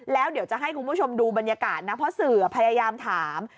แล้วเดี๋ยวจะให้คุณผู้ชมดูบรรยากาศนะเพราะสื่อพยายามถาม